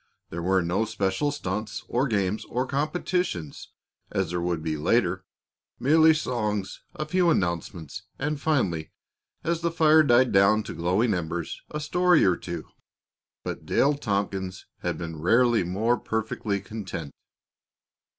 There were no special stunts or games or competitions, as there would be later; merely songs, a few announcements, and finally, as the fire died down to glowing embers, a story or two. But Dale Tompkins had rarely been more perfectly content.